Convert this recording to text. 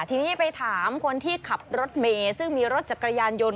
ทีนี้ไปถามคนที่ขับรถเมย์ซึ่งมีรถจักรยานยนต์